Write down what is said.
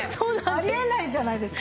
あり得ないんじゃないですか？